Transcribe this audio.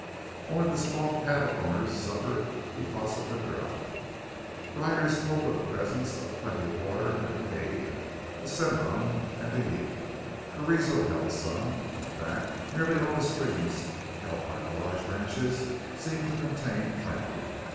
Only the small cattle owners suffered because of the drought. Riders told of the presence of plenty of water in the Canadian, the Cimarron, and the Ute. Carrizo held some. In fact, nearly all the streams held by the large ranchers seemed to contain plenty.